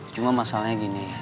cuma masalahnya gini